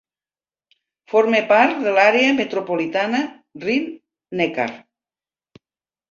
Forma part de l'àrea metropolitana Rin-Neckar.